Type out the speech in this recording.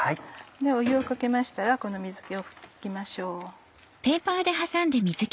湯をかけましたらこの水気を拭きましょう。